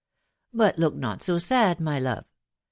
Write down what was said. But look not so sad, my love